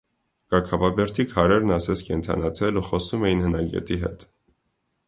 Կաքավաբերդի քարերն ասես կենդանացել ու խոսում էին հնագետի հետ: